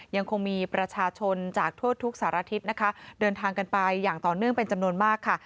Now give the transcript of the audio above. ยังคงมีประชาชนจากทั่วทุกสารทิศนะคะเดินทางกันไปอย่างต่อเนื่องเป็นจำนวนมากค่ะ